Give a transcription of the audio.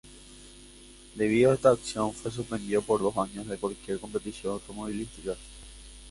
Debido a esta acción, fue suspendido por dos años de cualquier competición automovilística.